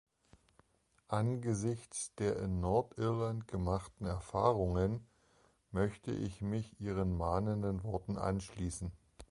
Angesichts der in Nordirland gemachten Erfahrungen möchte ich mich Ihren mahnenden Worten anschließen.